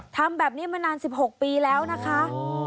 ทำแบบนี้มานาน๑๖ปีแล้วนะคะ